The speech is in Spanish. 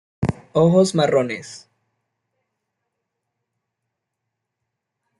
Ojos: Marrones.